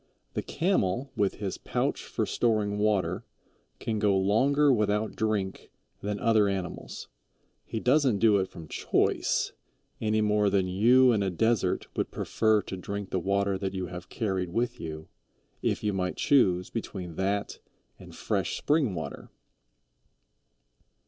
The Camel, with his pouch for storing water, can go longer without drink than other animals. He doesn't do it from choice, any more than you in a desert would prefer to drink the water that you have carried with you, if you might choose between that and fresh spring water.